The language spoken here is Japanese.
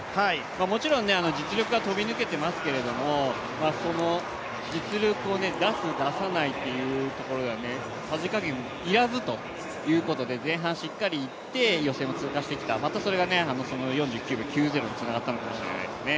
もちろん実力は飛び抜けてますけど、その実力を出す・出さないというところのさじ加減は要らずというところで前半しっかりいって予選を通過してきた、またそれが４９秒９０につながったのかもしれないですね。